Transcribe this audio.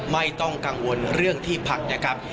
ไม่ต้องกังวลเรื่องที่พักนะครับ